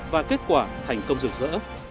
và kết quả thành công rực rỡ